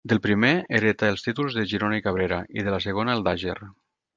Del primer heretà els títols de Girona i Cabrera, i de la segona, el d'Àger.